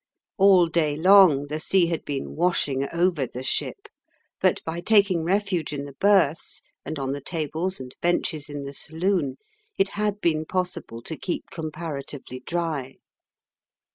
All day long the sea had been washing over the ship, but by taking refuge in the berths and on the tables and benches in the saloon it had been possible to keep comparatively dry.